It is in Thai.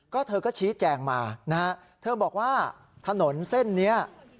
ก็เธอก็ชี้แจงมานะฮะเธอบอกว่าถนนเส้นนี้